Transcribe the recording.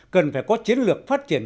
cần phải có chiến lược phát triển